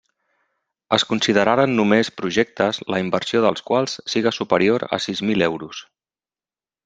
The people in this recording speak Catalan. Es consideraren només projectes la inversió dels quals siga superior a sis mil euros.